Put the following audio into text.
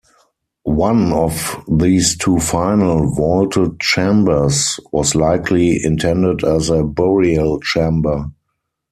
One of these two final vaulted chambers was likely intended as a burial chamber.